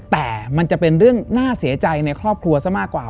แต่มันจะเป็นเรื่องน่าเสียใจในครอบครัวซะมากกว่า